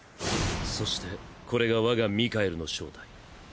そしてこれが我がミカエルの正体。